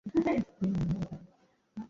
আমিও এই সব বিশ্বাস করি না।